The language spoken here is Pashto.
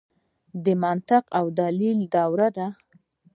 د منطق او دلیل دوره ده.